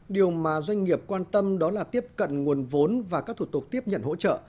điều mà doanh nghiệp quan tâm đó là tiếp cận nguồn vốn và các thủ tục tiếp nhận hỗ trợ